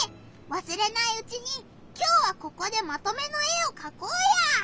わすれないうちにきょうはここでまとめの絵をかこうよ！